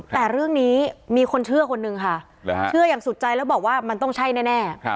แต่เรื่องนี้มีคนเชื่อคนนึงค่ะเชื่ออย่างสุดใจแล้วบอกว่ามันต้องใช่แน่